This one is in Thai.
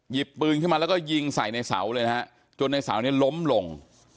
หยิบปืนขึ้นมาแล้วก็ยิงใส่ในสาวเลยนะจนในสาวนี้ล้มหลง